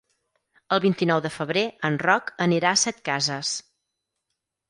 El vint-i-nou de febrer en Roc anirà a Setcases.